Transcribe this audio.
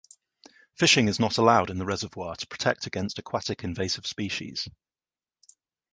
Fishing is not allowed in the reservoir to protect against aquatic invasive species.